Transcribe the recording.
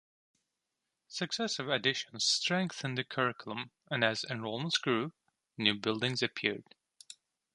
Successive additions strengthened the curriculum; and as enrollment grew, new buildings appeared.